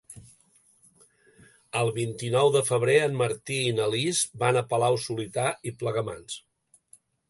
El vint-i-nou de febrer en Martí i na Lis van a Palau-solità i Plegamans.